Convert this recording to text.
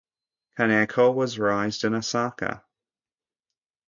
Kaneko was raised in Osaka.